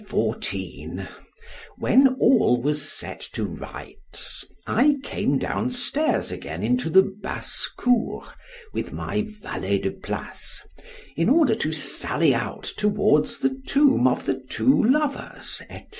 XIV WHEN all was set to rights, I came down stairs again into the basse cour with my valet de place, in order to sally out towards the tomb of the two lovers, &c.